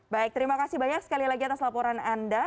baik terima kasih banyak sekali lagi atas laporan anda